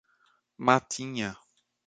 Matinha